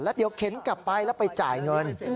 เดี๋ยวเข็นกลับไปแล้วไปจ่ายเงิน